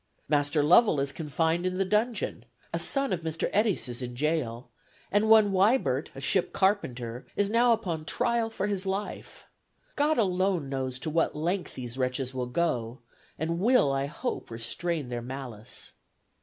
Master Lovell is confined in the dungeon; a son of Mr. Edes is in jail, and one Wiburt, a ship carpenter, is now upon trial for his life. God alone knows to what length these wretches will go, and will, I hope, restrain their malice.